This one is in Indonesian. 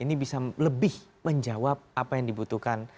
ini bisa lebih menjawab apa yang dibutuhkan